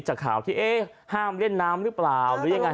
จากข่าวที่เอ๊ะห้ามเล่นน้ำหรือเปล่า